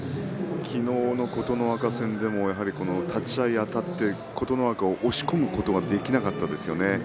昨日の琴ノ若戦でも立ち合いあたって琴ノ若を押し込むことができなかったですよね。